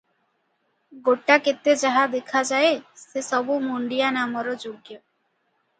ଗୋଟାକେତେ ଯାହା ଦେଖାଯାଏ ସେ ସବୁ ମୁଣ୍ତିଆ ନାମର ଯୋଗ୍ୟ ।